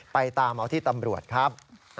ไปตามเอาที่ตำรวจครับ